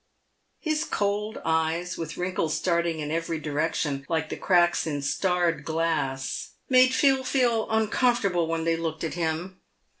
His cold eyes, with wrinkles starting in every direction like the cracks in starred glass, made Phil feel uncomfortable when they looked at him.